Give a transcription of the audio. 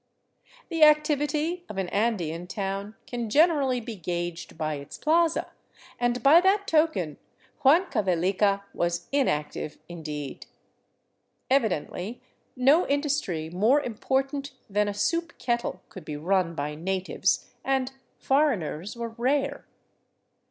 The activity of an Andean town can gen erally be gaged by its plaza, and ,by that token Huancavelica was in active indeed. Evidently no industry more important than a soup kettle could be run by natives, and foreigners were rare.